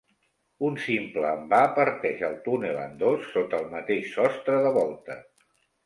Un simple envà parteix el túnel en dos, sota el mateix sostre de volta.